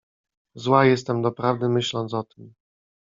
Zła jestem doprawdy, myśląc o tym.